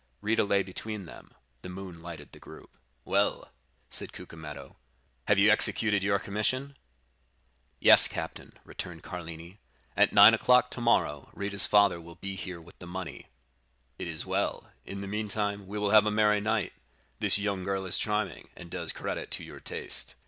Rita lay between them. The moon lighted the group. "'Well,' said Cucumetto, 'have you executed your commission?' "'Yes, captain,' returned Carlini. 'At nine o'clock tomorrow Rita's father will be here with the money.' "'It is well; in the meantime, we will have a merry night; this young girl is charming, and does credit to your taste.